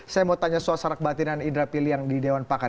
saya mau tanya suasana kebatinan indra piliang di dewan pakar